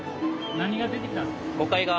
何が出てきたんですか？